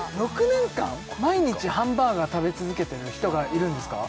６年間毎日ハンバーガー食べ続けてる人がいるんですか？